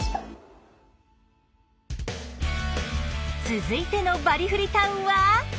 続いてのバリフリ・タウンはこちら！